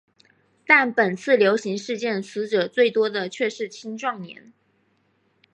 但本次流行事件死者最多的却是青壮年。